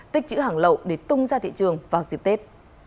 tích chữ hàng lậu để tung ra thị trường vào dịp tết